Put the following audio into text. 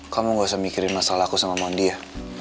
kamu gak usah mikirin masalahku sama mondi ya